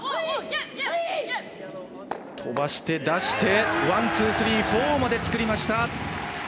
飛ばして出してワン、ツー、スリーフォーまで作りました。